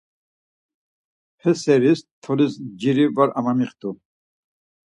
He seris tolis nciri var amamixtu.